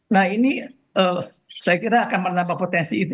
nah ini saya kira akan menambah potensi itu